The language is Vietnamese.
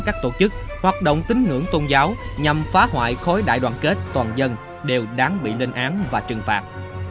các tổ chức hoạt động tính ngưỡng tôn giáo nhằm phá hoại khối đại đoàn kết toàn dân đều đáng bị lên án và trừng phạt